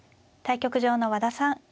対局場の和田さん